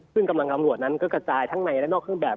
ซึ่งกำลังตำรวจนั้นก็กระจายทั้งในและนอกเครื่องแบบ